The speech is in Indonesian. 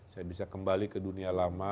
saya bisa kembali ke dunia lama